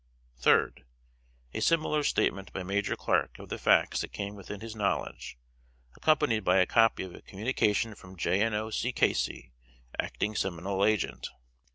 Third. A similar statement by Major Clark of the facts that came within his knowledge, accompanied by a copy of a communication from Jno. C. Casey, Acting Seminole Agent.